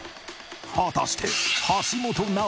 果たして！